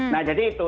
nah jadi itu